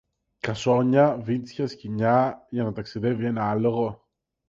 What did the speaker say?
Κασόνια, βίντσια, σκοινιά, για να ταξιδεύει ένα άλογο;